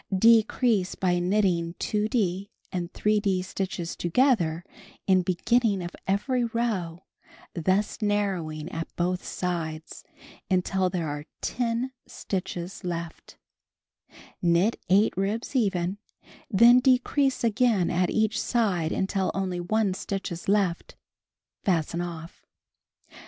Decrease by knitting 2d and 3d stitches together in beginning of every row (thus narrowing at both sides) imtil there are 10 stitches left; knit 8 ribs even, then decrease again at each side until only 1 stitch is left; fasten off.